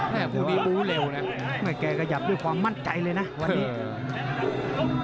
แค่คู่นี้บูเร็วน่ะไอ้แกกระหยับด้วยความมั่นใจเลยน่ะวันนี้